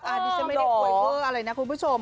ไม่ได้โหยเพิ่งอะไรนะคุณผู้ชม